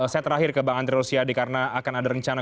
saya terakhir ke bang andri rosiade karena akan ada rencana